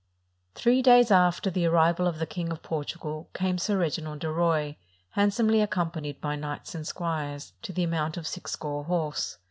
Three days after the arrival of the King of Portugal, came Sir Reginald de Roye, handsomely ac companied by knights and squires, to the amount of six score horse.